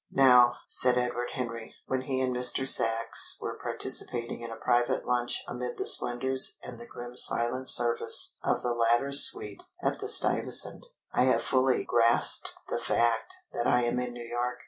"Now," said Edward Henry, when he and Mr. Sachs were participating in a private lunch amid the splendours and the grim silent service of the latter's suite at the Stuyvesant, "I have fully grasped the fact that I am in New York.